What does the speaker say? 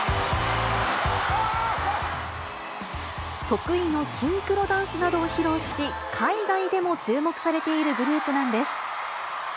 得意のシンクロダンスなどを披露し、海外でも注目されているグループなんです。